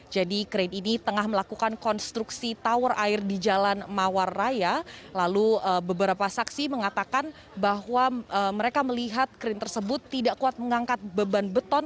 jadi krain ini tengah melakukan konstruksi tawar air di jalan mawar raya lalu beberapa saksi mengatakan bahwa mereka melihat krain tersebut tidak kuat mengangkat beban beton